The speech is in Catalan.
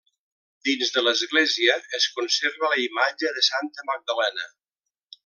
Dins de l'església es conserva la Imatge de Santa Magdalena.